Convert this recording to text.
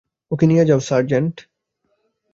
ওকে নিয়ে যাও, সার্জেন্ট!